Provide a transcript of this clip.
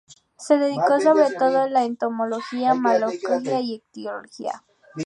Se dedicó sobre todo a la entomología, malacología e ictiología.